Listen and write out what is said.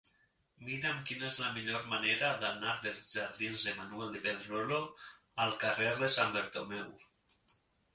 Mira'm quina és la millor manera d'anar dels jardins de Manuel de Pedrolo al carrer de Sant Bartomeu.